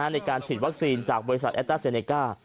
ในการฉีดวัคซีนจากบริษัทแอตต้าเซเนก้า